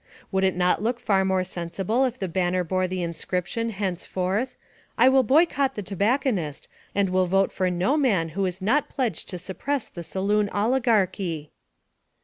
Would it not look far more sensible if the banner bore the inscription, henceforth, I will boycott the tobacconist, and will vote for no man who is not pledged to suppress the saloon oligarchy?